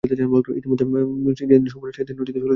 ইতিমধ্যে যেদিন রবিবার আসিল সেদিন শৈলজা কিছু মুশকিলে পড়িল।